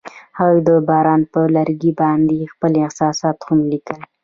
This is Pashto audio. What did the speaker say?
هغوی د باران پر لرګي باندې خپل احساسات هم لیکل.